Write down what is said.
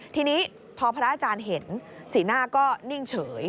ทีนี้พอพระอาจารย์เห็นสีหน้าก็นิ่งเฉย